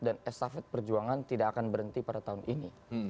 dan estafet perjuangan tidak akan berhenti pada tahun ini